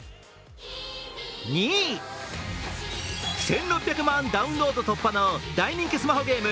２位、１６００万ダウンロード突破の大人気スマホゲーム